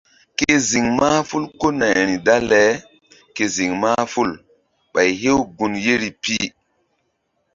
Ke ziŋ mahful ko nayri dale ke ziŋ mahful Ɓay hew gun yeri pi.